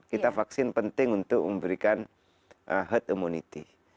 kita vaksin penting untuk memberikan herd immunity